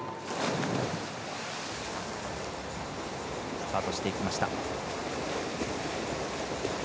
スタートしていきました。